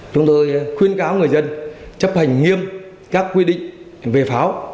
chúng tôi khuyên cáo người dân chấp hành nghiêm các quy định về pháo